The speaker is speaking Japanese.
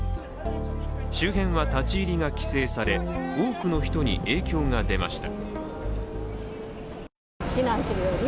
周辺は立ち入りが規制され多くの人に影響が出ました。